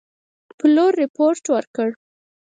پلور رپوټ ورکړ.